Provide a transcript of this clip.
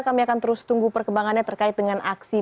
kami akan terus tunggu perkembangannya terkait dengan aksi